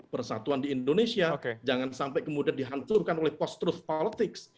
persatuan di indonesia jangan sampai kemudian dihancurkan oleh post truth politik